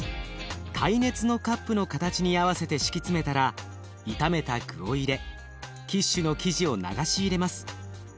耐熱のカップの形に合わせて敷き詰めたら炒めた具を入れキッシュの生地を流し入れます。